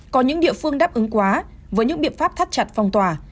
có những địa phương đáp ứng quá với những biện pháp thắt chặt phong tỏa